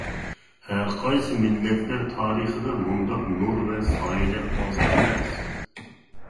ھەرقايسى مىللەتلەر تارىخىدا مۇنداق نۇر ۋە سايىلەر ئاز ئەمەس!